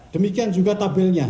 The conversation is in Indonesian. demikian juga tabelnya